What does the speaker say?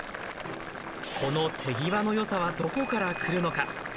この手際の良さはどこから来るのか。